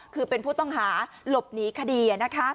คือเป็นผู้ต้องหาหลบหนีคดี